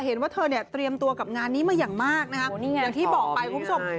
เห็นว่าเธอเนี่ยเตรียมตัวกับงานนี้มาอย่างมากนะครับอย่างที่บอกไปคุณผู้ชม